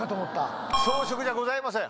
草食じゃございません。